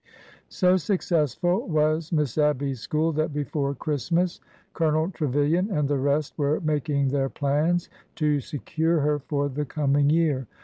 96 A GROWN UP MAN 97 So successful was Miss Abby's school that before Christmas Colonel Treviliari and the rest were making their plans to secure her for the coming year.